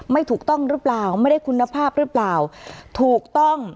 ไม่ถูกต้องหรือเปล่าไม่ได้คุณภาพหรือเปล่าถูกต้อง